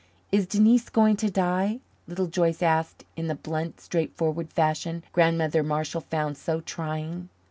"Is Denise going to die?" Little Joyce asked in the blunt, straightforward fashion Grandmother Marshall found so trying.